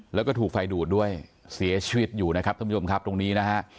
แล้วก็ถูกไฟดูดด้วยเสียชีวิตอยู่นะครับท่านผู้ชมครับตรงนี้นะฮะ